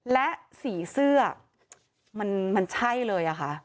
และสีเสื้อมันใช่เลยอะค่ะ